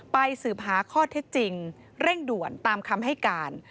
สืบหาข้อเท็จจริงเร่งด่วนตามคำให้การ